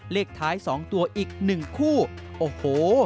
เลขท้าย๒ตัวอีก๑คู่โอ้โห